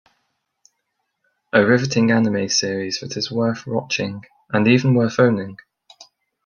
A riveting anime series that is worth watching and even worth owning!